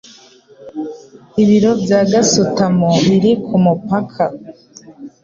Ibiro bya gasutamo biri kumupaka.